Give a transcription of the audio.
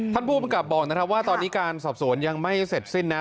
ท่านผู้บังกับบอกนะครับว่าตอนนี้การสอบสวนยังไม่เสร็จสิ้นนะ